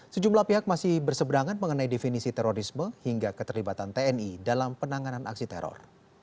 sejumlah pihak masih berseberangan mengenai definisi terorisme hingga keterlibatan tni dalam penanganan aksi teror